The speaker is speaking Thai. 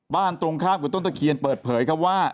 ตรงข้ามกับต้นตะเคียนเปิดเผยครับว่า